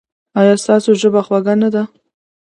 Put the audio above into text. ایا ستاسو ژبه خوږه نه ده؟